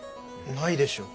ないでしょ。